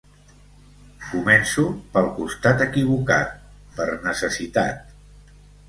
Començo pel costat equivocat, per necessitat.